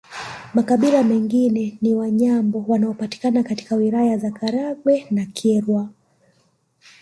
Makabila mengine ni Wanyambo wanaopatikana katika Wilaya za Karagwe na Kyerwa